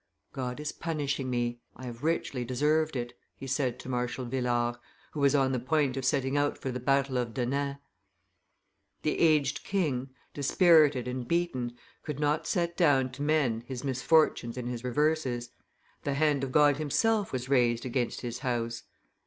"God is punishing me; I have richly deserved it," he said to Marshal Villars, who was on the point of setting out for the battle of Denain. The aged king, dispirited and beaten, could not set down to men his misfortunes and his reverses; the hand of God Himself was raised against his house.